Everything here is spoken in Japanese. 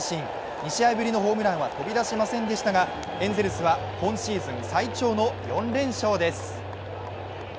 ２試合ぶりのホームランは飛び出しませんでしたがエンゼルスは今シーズン最長の４連勝です。